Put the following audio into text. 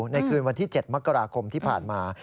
ในคืนวันที่๗มกราคมที่ผ่านมา